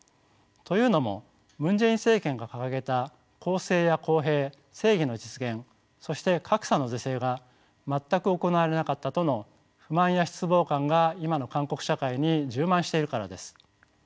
というのもムン・ジェイン政権が掲げた公正や公平正義の実現そして格差の是正が全く行われなかったとの不満や失望感が今の韓国社会に充満しているからです。